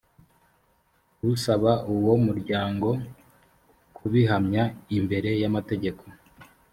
usaba uwo muryango kubihamya imbere y’amategeko